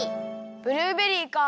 ブルーベリーか。